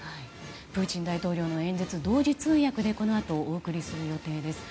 プーチン大統領の演説同時通訳で、このあとお送りする予定です。